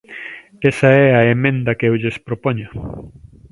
Esa é a emenda que eu lles propoño.